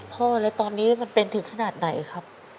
พ่อแล้วตอนนี้มันเป็นถึงขนาดไหนครับ